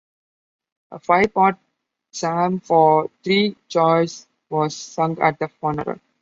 A five-part psalm for three choirs was sung at the funeral.